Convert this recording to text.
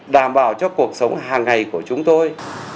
đảm bảo cho cuộc sống hàng ngày của chúng tôi